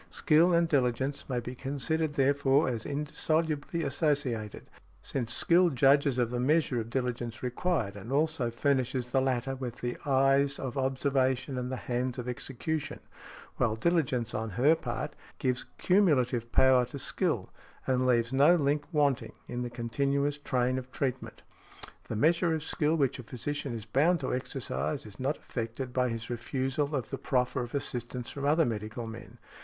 Skill and diligence may be considered, therefore, as indissolubly associated, since skill judges of the measure of diligence required and also furnishes the latter with the eyes of observation and the hands of execution; while diligence on her part gives cumulative power to skill, and leaves no link wanting in the continuous train of treatment . The measure of skill which a physician is bound to exercise is not affected by his refusal of the proffer of assistance from other medical men .